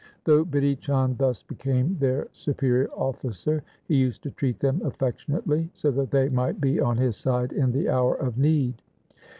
Though Bidhi Chand thus became their superior officer, he used to treat them affec tionately, so that they might be on his side in the hour of need.